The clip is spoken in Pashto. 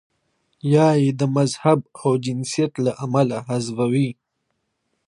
یا یې د مذهب او جنسیت له امله حذفوي.